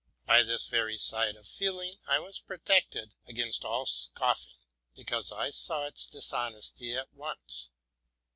By this very side of feeling I was protected against all scoffing, because I saw its dis honesty at once.